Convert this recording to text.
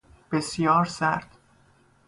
بسیار سرد